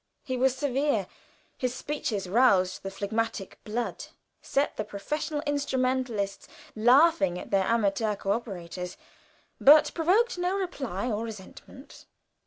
He was severe; his speeches roused the phlegmatic blood, set the professional instrumentalists laughing at their amateur co operators, but provoked no reply or resentment.